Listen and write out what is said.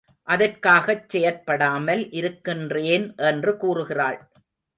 அதற்காகச் செயற்படாமல் இருக்கின்றேன் என்று கூறுகிறாள்.